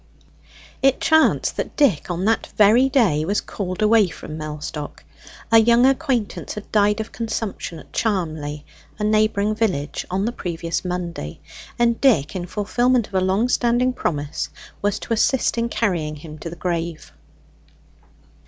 It chanced that Dick on that very day was called away from Mellstock. A young acquaintance had died of consumption at Charmley, a neighbouring village, on the previous Monday, and Dick, in fulfilment of a long standing promise, was to assist in carrying him to the grave.